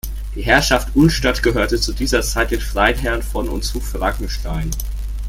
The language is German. Die Herrschaft Ullstadt gehörte zu dieser Zeit den Freiherren von und zu Frankenstein.